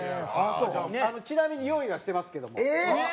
ちなみに用意はしてますけども。